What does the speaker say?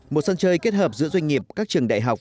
một sân chơi kết hợp giữa doanh nghiệp các trường đại học